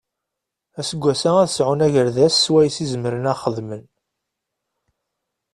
Aseggas-a ad sɛun agerdas swayes i zemren ad xedmen.